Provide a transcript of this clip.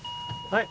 はい。